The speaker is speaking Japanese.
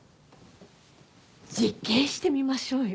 実験してみましょうよ。